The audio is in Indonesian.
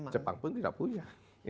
jepang pun tidak punya